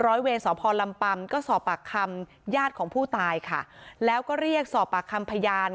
เวรสพลำปำก็สอบปากคำญาติของผู้ตายค่ะแล้วก็เรียกสอบปากคำพยาน